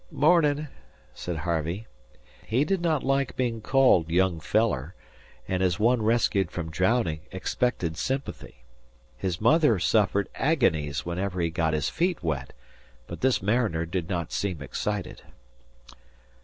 "Mornin'," said Harvey. He did not like being called "young feller"; and, as one rescued from drowning, expected sympathy. His mother suffered agonies whenever he got his feet wet; but this mariner did not seem excited.